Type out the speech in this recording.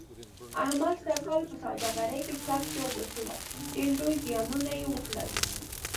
احمد سږ کال په سوداګرۍ کې سخت ژوبل شو، ډېر لوی زیانونه یې وکړل.